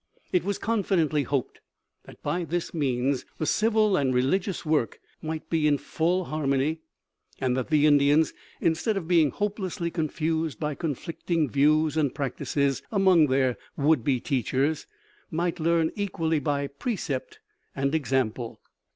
It was confidently hoped that by this means the civil and religious work might be in full harmony, and that the Indians, instead of being hopelessly confused by conflicting views and practices among their would be teachers, might learn equally by precept and example.